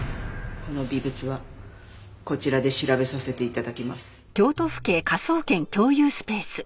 この微物はこちらで調べさせて頂きます。